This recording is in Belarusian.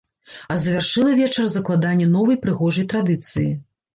А завяршыла вечар закладанне новай прыгожай традыцыі.